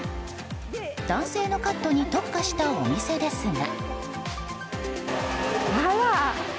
男性のカットに特化したお店ですが。